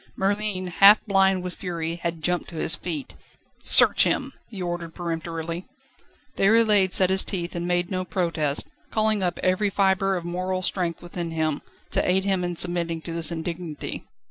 Merlin, half blind with fury, had jumped to his feet. "Search him!" he ordered peremptorily. Déroulède set his teeth, and made no protest, calling up every fibre of moral strength within him, to aid him in submitting to this indignity.